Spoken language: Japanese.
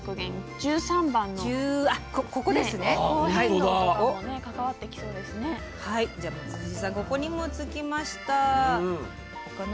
１３番にもつきました。